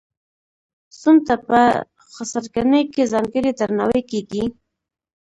زوم ته په خسرګنۍ کې ځانګړی درناوی کیږي.